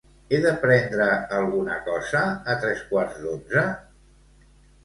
He de prendre alguna cosa a tres quarts d'onze?